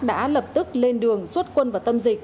đã lập tức lên đường xuất quân vào tâm dịch